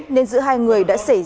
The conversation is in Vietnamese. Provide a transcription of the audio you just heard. nên giữa hai người đã xảy ra